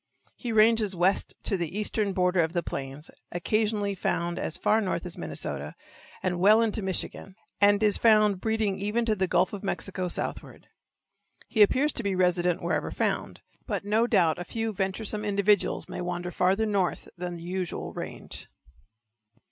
He ranges west to the eastern border of the plains, occasionally found as far north as Minnesota and well into Michigan, and is found breeding even to the Gulf of Mexico southward. He appears to be resident wherever found, but no doubt a few venturesome individuals may wander farther north than the usual range.